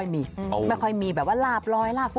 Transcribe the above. เรื่องของโชคลาบนะคะ